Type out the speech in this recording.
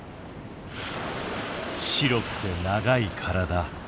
白くて長い体。